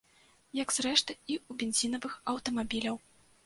Як, зрэшты, і ў бензінавых аўтамабіляў.